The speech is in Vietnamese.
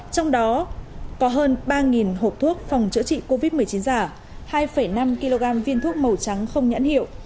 trong đó có hơn ba hộp thuốc phòng chữa trị covid một mươi chín giả hai năm kg viên thuốc màu trắng không nhãn hiệu